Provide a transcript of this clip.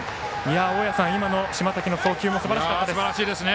大矢さん、今の島瀧の送球はすばらしかったですね。